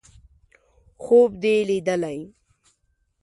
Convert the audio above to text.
_خوب دې ليدلی!